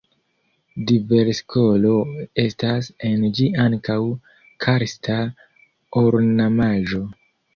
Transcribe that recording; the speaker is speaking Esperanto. Diversloke estas en ĝi ankaŭ karsta ornamaĵo.